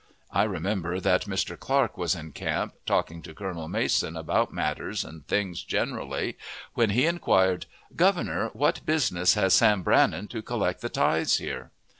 I remember that Mr. Clark was in camp, talking to Colonel Mason about matters and things generally, when he inquired, "Governor, what business has Sam Brannan to collect the tithes here?"